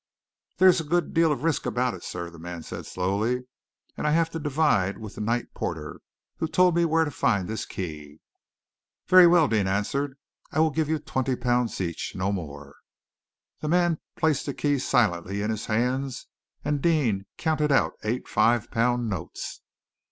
"There is a good deal of risk about it, sir," the man said slowly, "and I have to divide with the night porter, who told me where to find this key." "Very well," Deane answered, "I will give you twenty pounds each, no more." The man placed the key silently in his hands, and Deane counted out eight five pound notes.